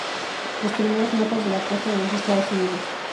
Los primeros mapas de la Costa de los Estados Unidos.